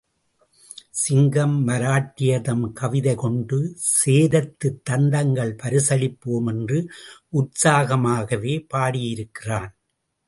சிங்கம் மராட்டியர்தம் கவிதை கொண்டு சேரத்துத் தந்தங்கள் பரிசளிப்போம் என்று உற்சாகமாகவே பாடியிருக்கிறான்.